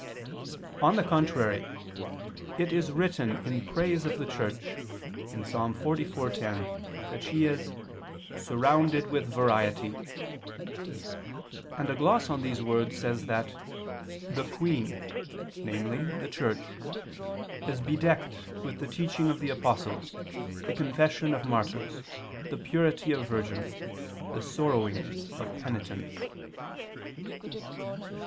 On the contrary, It is written in praise of the Church (Ps. 44:10) that she is "surrounded with variety": and a gloss on these words says that "the Queen," namely the Church, "is bedecked with the teaching of the apostles, the confession of martyrs, the purity of virgins, the sorrowings of penitents."